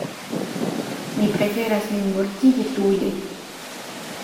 Mi preferas min mortigi tuje.